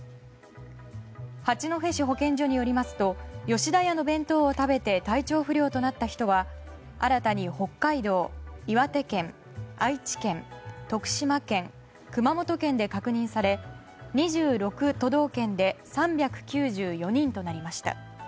八戸市保健所によりますと吉田屋の弁当を食べて体調不良となった人は新たに北海道、岩手県、愛知県徳島県、熊本県で確認され２６都道県で３９４人となりました。